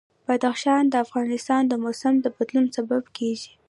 بدخشان د افغانستان د موسم د بدلون سبب کېږي.